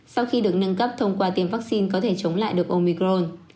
sau khi được nâng cấp thông qua tiêm vaccine có thể chống lại được omicron